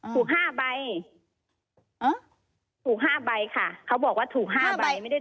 ถูก๕ใบถูก๕ใบค่ะเขาบอกว่าถูก๕ใบไม่ได้